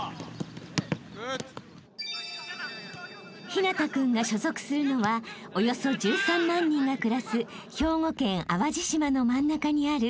［陽楽君が所属するのはおよそ１３万人が暮らす兵庫県淡路島の真ん中にある］